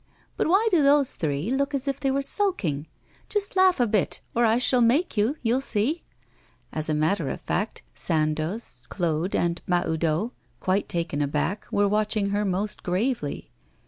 But why do those three look as if they were sulking. Just laugh a bit, or I shall make you, you'll see!' As a matter of fact, Sandoz, Claude, and Mahoudeau, quite taken aback, were watching her most gravely.